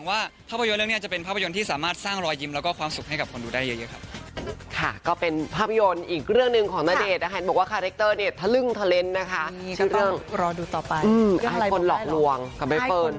อันนี้จะเป็นภาพยนตร์ที่สามารถสร้างรอยยิ้มแล้วก็ความสุขให้กับคนดูได้เยอะครับ